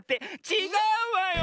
ちがうわよ！